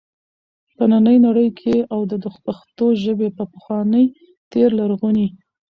په ننی نړۍ کي او د پښتو ژبي په پخواني تیر لرغوني